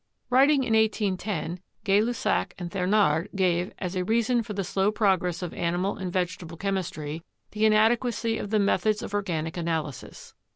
Writing in 1810, Gay Lussac and Thenard gave, as a reason for the slow progress of animal and vegetable chemistry, the inadequacy of the methods of organic analy sis.